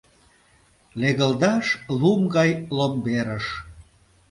Легылдаш лум гай ломберыш.